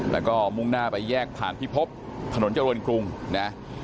แล้วก็มุ่งหน้าไปแยกผ่านพิภพถนนเจริญกรุงนะ